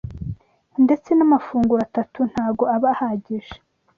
ndetse n’amafunguro atatu ntago aba ahagije